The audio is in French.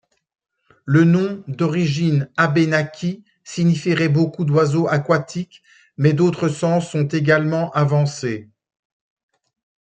Le nom, d'origine Abénaquis, signifierait beaucoup d'oiseaux aquatiques mais d'autres sens sont également avancés.